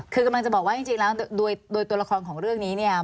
คือกำลังจะบอกว่าจริงแล้วโดยตัวละครของเรื่องนี้เนี่ย